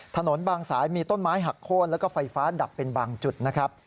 ถนนบางสายมีต้นไม้หักโค้นแล้วก็ไฟฟ้าดับเป็นบางจุดนะครับ